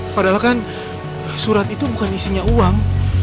padahal kan surat itu bukan isinya uang